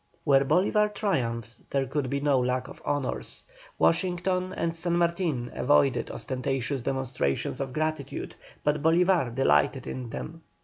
Where Bolívar triumphed there could be no lack of honours. Washington and San Martin avoided ostentatious demonstrations of gratitude, but Bolívar delighted in them.